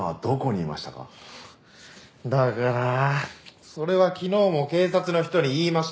だからそれは昨日も警察の人に言いました。